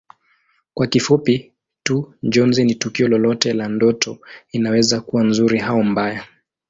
Kwa kifupi tu Njozi ni tukio lolote la ndoto inaweza kuwa nzuri au mbaya